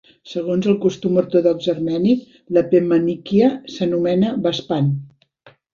Segons el costum ortodox armeni, l'"epimanikia" s'anomena "baspan".